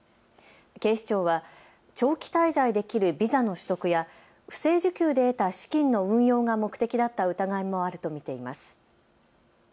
警視庁は長期滞在できるビザの取得や不正受給で得た資金の運用が目的だった疑いもあると見ています。